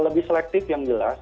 lebih selektif yang jelas